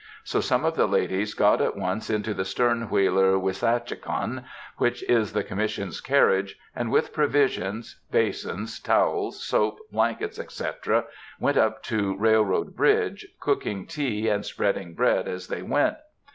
So some of the ladies got at once into the stern wheeler Wissahickon, which is the Commission's carriage, and with provisions, basins, towels, soap, blankets, etc., went up to the railroad bridge, cooking tea and spreading bread as they went.